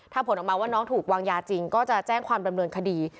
ถ้าผลออกมาว่าน้องถูกวางยาจริงก็จะแจ้งความดำเนินคดี